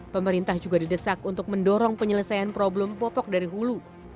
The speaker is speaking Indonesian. pemerintah juga didesak untuk mendorong penyelesaian problem popok dari hulu